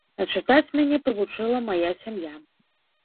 А чытаць мяне прывучыла мая сям'я.